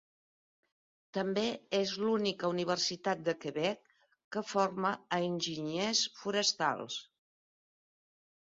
També és l'única universitat de Quebec que forma a enginyers forestals.